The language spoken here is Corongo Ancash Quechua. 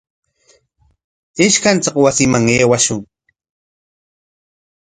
Ishkanchik wasiman aywashun.